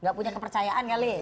nggak punya kepercayaan kali